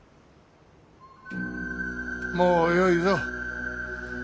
もうよいぞ。